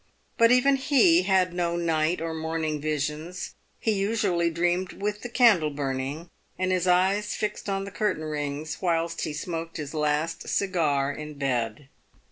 But even he had no night or morning visions. He usually dreamed with the candle burning, and his eyes fixed on the curtain rings, whilst he smoked his last cigar in bed.